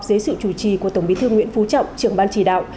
dưới sự chủ trì của tổng bí thư nguyễn phú trọng trưởng ban chỉ đạo